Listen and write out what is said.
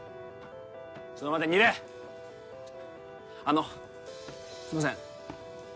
ちょっと待て楡あのすいません